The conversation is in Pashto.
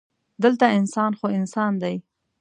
دلته انسان خو انسان دی.